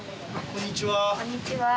こんにちは。